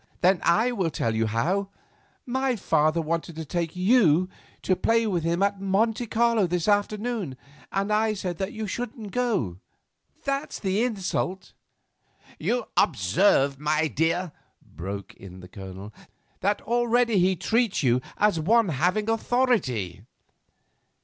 "Then I will tell you how. My father wanted to take you to play with him at Monte Carlo this afternoon and I said that you shouldn't go. That's the insult." "You observe, my dear," broke in the Colonel, "that already he treats you as one having authority."